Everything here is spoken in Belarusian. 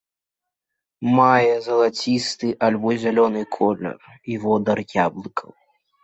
Мае залацісты альбо зялёны колер і водар яблыкаў.